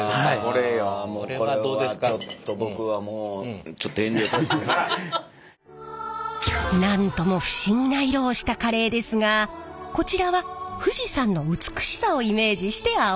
これはちょっと僕はもうちょっとなんとも不思議な色をしたカレーですがこちらは富士山の美しさをイメージして青色に。